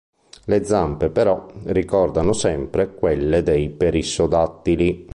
Le zampe, però, ricordano sempre quelle dei perissodattili.